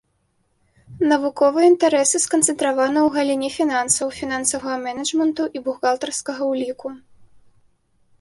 Навуковыя інтарэсы сканцэнтраваны ў галіне фінансаў, фінансавага менеджменту і бухгалтарскага ўліку.